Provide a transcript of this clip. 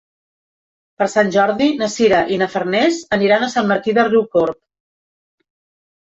Per Sant Jordi na Sira i na Farners aniran a Sant Martí de Riucorb.